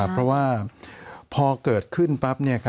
เพราะว่าพอเกิดขึ้นปั๊บ